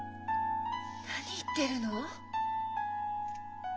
何言ってるの？